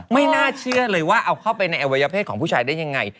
ไม่น่าเชื่อเลยว่าเอาเข้าไปในอวัยเพศของผู้ชายได้ยังไง